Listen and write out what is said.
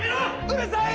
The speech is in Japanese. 「うるさい！」。